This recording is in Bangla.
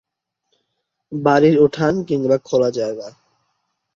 বাড়ির উঠান কিংবা খোলা জায়গা।